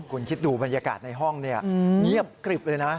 คุณคิดดูบรรยากาศในห้องเงียบกริบเลยนะ